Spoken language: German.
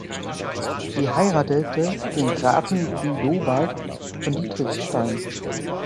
Sie heiratete den Grafen Guidobald von Dietrichstein.